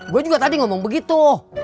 gue juga tadi ngomong begitu